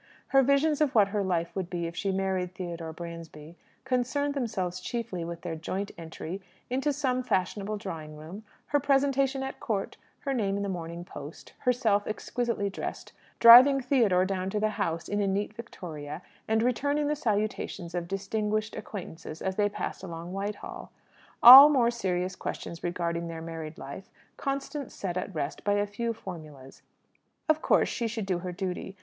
Her visions of what her life would be if she married Theodore Bransby concerned themselves chiefly with their joint entry into some fashionable drawing room, her presentation at Court, her name in the Morning Post, herself exquisitely dressed driving Theodore down to the House in a neat victoria, and returning the salutations of distinguished acquaintances as they passed along Whitehall. All more serious questions regarding their married life Constance set at rest by a few formulas. Of course, she should do her duty.